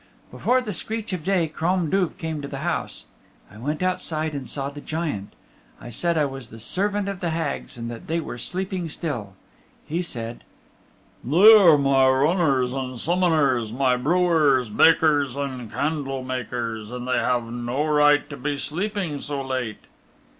Before the screech of day Crom Duv came to the house. I went outside and saw the Giant. I said I was the servant of the Hags, and that they were sleeping still. He said, "They are my runners and summoners, my brewers, bakers and candle makers, and they have no right to be sleeping so late."